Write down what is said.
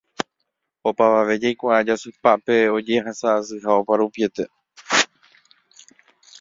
Opavave jaikuaa jasypápe ojehasa'asyha oparupiete